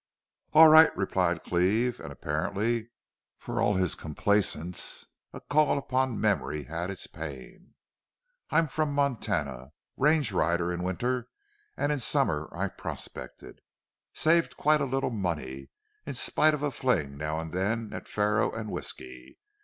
"All right," replied Cleve, and apparently, for all his complaisance, a call upon memory had its pain. "I'm from Montana. Range rider in winter and in summer I prospected. Saved quite a little money, in spite of a fling now and then at faro and whisky....